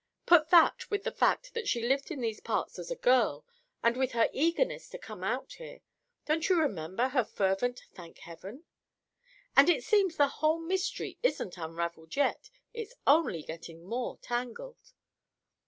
Put that with the fact that she lived in these parts as a girl, and with her eagerness to come out here—don't you remember her fervent 'thank heaven'?—and it seems the whole mystery isn't unraveled yet; it's only getting more tangled."